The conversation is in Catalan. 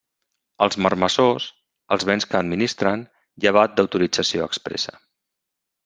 Els marmessors, els béns que administren, llevat d'autorització expressa.